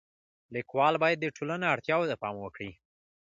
لیکوال باید د ټولنې اړتیاو ته پام وکړي.